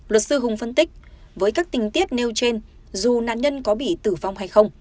luật sư hùng phân tích với các tình tiết nêu trên dù nạn nhân có bị tử vong hay không